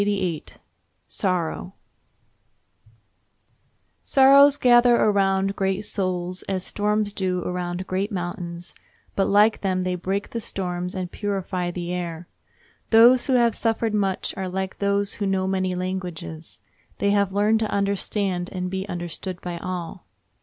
] Sorrows gather around great souls as storms do around great mountains, but, like them, they break the storms and purify the air. Those who have suffered much are like those who know many languages—they have learned to understand and be understood by all.